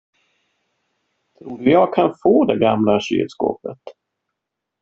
Tror du att jag kan få det gamla kylskåpet?